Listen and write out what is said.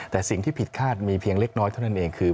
แต่สิ่งที่ผิดคาดมีเพียงเล็กน้อยเท่านั้นเองคือ